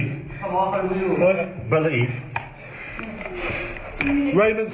เราจะกลับที่นี่จนทีหนึ่ง